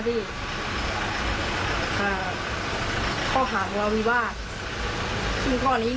ที่ผมรู้แต่ว่าความรู้ตอนนี้